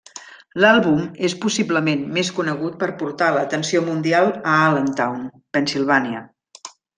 L'àlbum és possiblement més conegut per portar l'atenció mundial a Allentown, Pennsilvània.